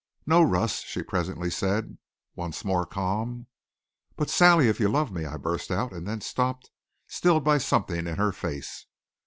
"No, Russ," she presently said, once more calm. "But Sally if you love me " I burst out, and then stopped, stilled by something in her face.